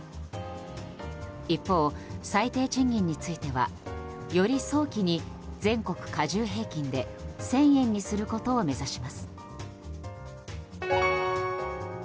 一方、最低賃金についてはより早期に全国加重平均で１０００円にすることを目指します。